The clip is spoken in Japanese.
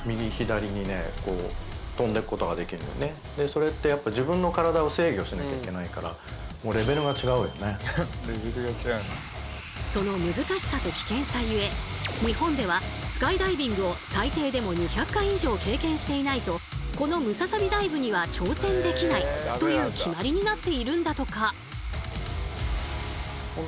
それってやっぱ自分の体を制御しなきゃいけないからその難しさと危険さゆえ日本ではスカイダイビングを最低でも２００回以上経験していないとこのムササビダイブには挑戦できないという決まりになっているんだとか。